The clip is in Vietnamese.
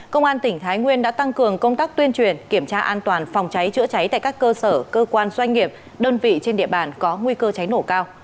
công an tỉnh thái nguyên đã tăng cường công tác tuyên truyền kiểm tra an toàn phòng cháy chữa cháy tại các cơ sở cơ quan doanh nghiệp đơn vị trên địa bàn có nguy cơ cháy nổ cao